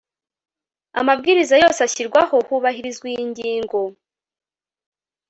amabwiriza yose ashyirwaho hubahirizwa iyi ngingo